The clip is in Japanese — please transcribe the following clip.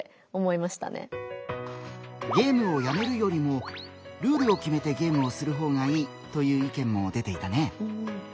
「ゲームをやめるよりもルールを決めてゲームをする方がいい」という意見も出ていたね。